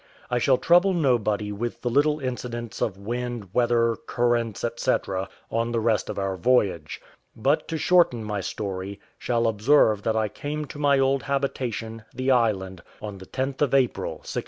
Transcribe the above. I shall trouble nobody with the little incidents of wind, weather, currents, &c., on the rest of our voyage; but to shorten my story, shall observe that I came to my old habitation, the island, on the 10th of April 1695.